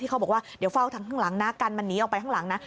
เขาบอกว่าเดี๋ยวเฝ้าทางข้างหลังนะกันมันหนีออกไปข้างหลังนะ